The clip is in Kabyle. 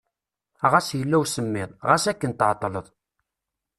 Ɣas yella usemmiḍ, ɣas akken tɛeṭṭleḍ.